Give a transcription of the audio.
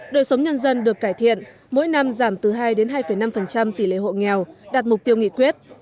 đời sống nhân dân được cải thiện mỗi năm giảm từ hai đến hai năm tỷ lệ hộ nghèo đạt mục tiêu nghị quyết